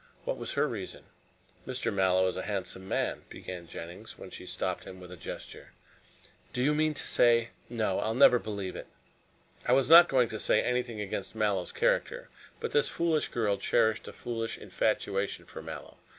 What was her reason?" "Mr. Mallow is a handsome man " began Jennings, when she stopped him with a gesture. "Do you mean to say no, I'll never believe it." "I was not going to say anything against Mallow's character. But this foolish girl cherished a foolish infatuation for Mallow.